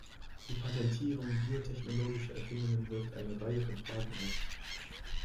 Die Patentierung biotechnologischer Erfindungen wirft eine Reihe von Fragen auf.